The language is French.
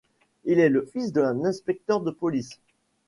Il est le fils d'un inspecteur de police.